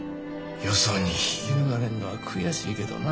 よそに引き抜かれんのは悔しいけどな。